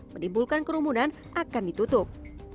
menimbulkan kerumunan akan ditutup